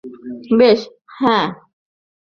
বেশ, হ্যাঁ।